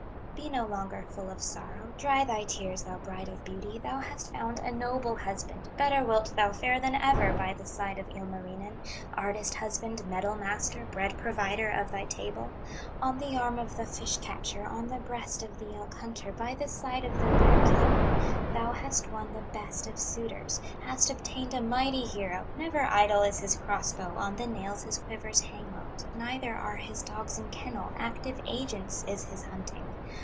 "Be no longer full of sorrow, Dry thy tears, thou bride of beauty, Thou hast found a noble husband, Better wilt thou fare than ever, By the side of Ilmarinen, Artist husband, metal master, Bread provider of thy table, On the arm of the fish catcher, On the breast of the elk hunter, By the side of the bear killer. Thou hast won the best of suitors, Hast obtained a mighty hero; Never idle is his cross bow, On the nails his quivers hang not, Neither are his dogs in kennel, Active agents is his hunting.